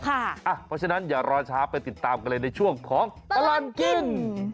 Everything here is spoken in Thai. เพราะฉะนั้นอย่ารอช้าไปติดตามกันเลยในช่วงของตลอดกิน